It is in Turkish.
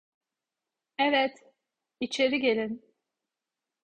Evet, içeri gelin.